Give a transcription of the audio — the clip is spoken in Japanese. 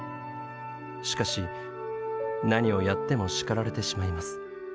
しかし何をやっても叱られてしまいます。